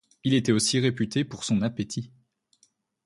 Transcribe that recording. Il était aussi réputé pour son appétit.